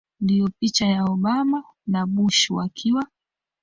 Ndio picha ya Obama na Bush wakiwa